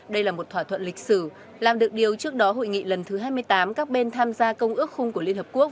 đây là một thỏa thuận lịch sử làm được điều trước đó hội nghị lần thứ hai mươi tám các bên tham gia công ước khung của liên hợp quốc